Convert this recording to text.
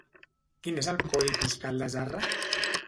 Quin és el codi postal de Zarra?